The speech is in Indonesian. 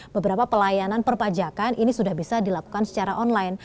beberapa pelayanan perpajakan ini sudah bisa dilakukan secara online